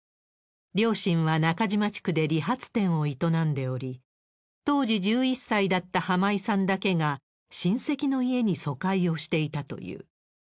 両親は中島地区で理髪店を営んでおり、当時１１歳だった浜井さんだけが、親戚の家に疎開をしていたという。